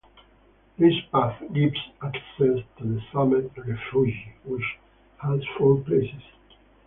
This path gives access to the Sommet refuge which has four places.